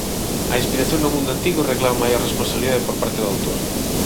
A inspiración no mundo antigo reclama maior responsabilidade por parte do autor.